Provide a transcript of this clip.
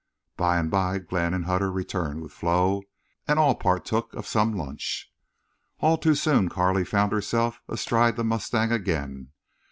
By and by Glenn and Hutter returned with Flo, and all partook of some lunch. All too soon Carley found herself astride the mustang again.